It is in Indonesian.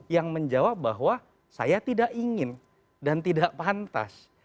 yang menjawab bahwa saya tidak ingin dan tidak pantas